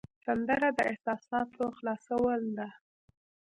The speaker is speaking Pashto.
سندره د احساساتو خلاصول ده